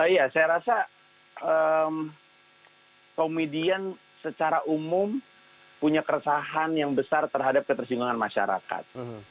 ya saya rasa komedian secara umum punya keresahan yang besar terhadap ketersinggungan masyarakat